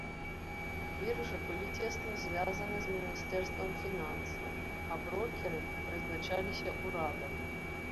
Біржы былі цесна звязаны з міністэрствам фінансаў, а брокеры прызначаліся ўрадам.